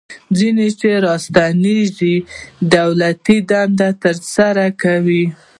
ځینې چې راستنیږي دولتي دندې ترسره کوي.